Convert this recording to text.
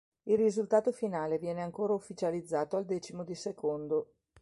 Il risultato finale viene ancora ufficializzato al decimo di secondo.